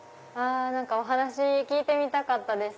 お話聞いてみたかったです。